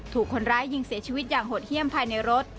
ถูกคนร้ายยิงเสียชีวิตอย่างหดเยี่ยมภายในรถ